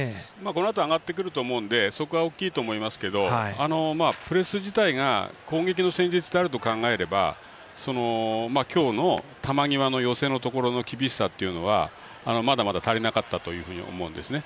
このあと上がってくると思うんでそこは大きいと思いますけどプレス自体が攻撃の戦術であると考えれば今日の球際の寄せのところの厳しさというのはまだまだ足りなかったと思うんですね